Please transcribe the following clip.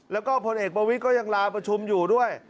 แล้วก็พลเอกประวิทย์ก็ยังลาประชุมอยู่ด้วย